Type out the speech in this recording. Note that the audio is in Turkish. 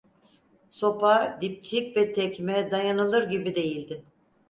Sopa, dipçik ve tekme dayanılır gibi değildi.